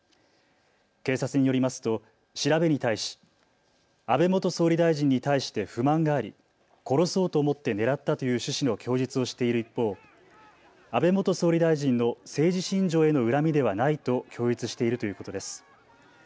警察によりますと調べに対し安倍元総理大臣に対して不満があり殺そうと思って狙ったという趣旨の供述をしている一方、安倍元総理大臣の政治信条への恨みではないと供述しているということです。